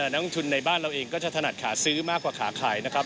นักลงทุนในบ้านเราเองก็จะถนัดขาซื้อมากกว่าขาขายนะครับ